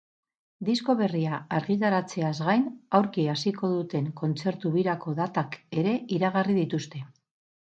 Disko berria argitaratzeaz gain, aurki hasiko duten kontzertu-birako datak ere iragarri dituzte.